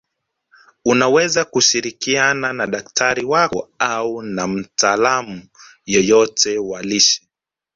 Unaweza kushirikiana na daktari wako au na mtaalamu yoyote wa lishe